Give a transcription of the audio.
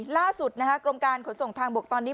ล่าสุดกรมการขนส่งทางบกตอนนี้